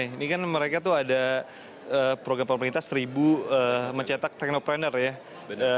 ini kan mereka tuh ada program pemerintah seribu mencetak teknopreneur ya